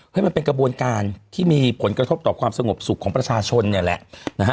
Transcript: ให้มันเป็นกระบวนการที่มีผลกระทบต่อความสงบสุขของประชาชนเนี่ยแหละนะฮะ